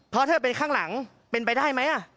เพราะถ้าเป็นข้างหลังเป็นไปได้ไหม